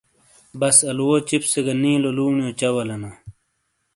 بس آلوؤو چپسے گہ نیلو لونیو چہ والینا ۔